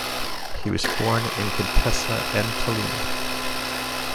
He was born in Contessa Entellina.